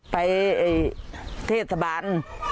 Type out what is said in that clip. ไปเทศบาล